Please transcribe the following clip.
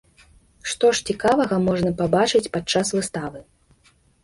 Што ж цікавага можна пабачыць падчас выставы.